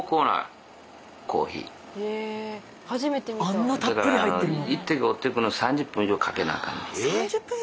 あんなたっぷり入ってるの？